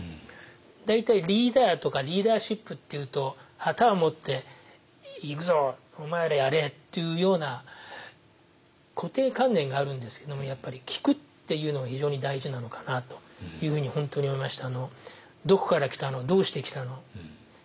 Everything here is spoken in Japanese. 大体リーダーとかリーダーシップっていうと旗を持って「行くぞ！お前らやれ！」っていうような固定観念があるんですけどもやっぱり聞くっていうのが非常に大事なのかなというふうに本当に思いました。